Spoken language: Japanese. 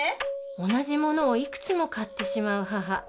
同じ物をいくつも買ってしまう母。